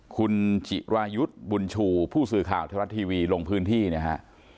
คุณจิรายุทธ์บุญชูผู้สื่อข่าวไทยรัฐทีวีลงพื้นที่นะฮะ